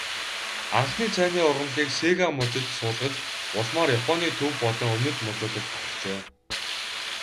Анхны цайны ургамлыг Сига мужид суулгаж, улмаар Японы төв болон өмнөд мужуудад тархжээ.